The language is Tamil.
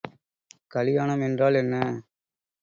கலியாணம் என்றால் என்ன?